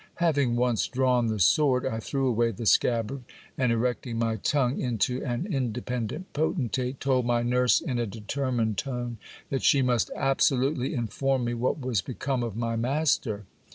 Having once drawn the sword, I threw away the scabbard ; and erecting my tongue into an independent potentate, told my nurse in a deter mined tone, that she must absolutely inform me what was become of my mas ter.